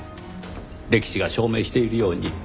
歴史が証明しているように。